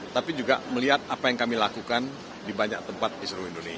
tapi juga melihat apa yang kami lakukan di banyak tempat di seluruh indonesia